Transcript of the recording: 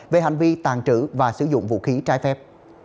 về hành vi tàn trữ và sử dụng vũ khí trái phép